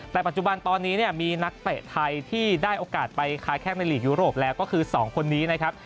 แต่ปัจจุบันตอนนี้เนี่ยมีนักเตะไทยที่ได้โอกาสไปค้าแข้งในลีกยุโรปแล้วก็คือ๒คนนี้นะครับ